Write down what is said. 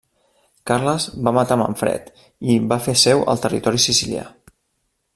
Carles va matar Manfred i va fer seu el territori sicilià.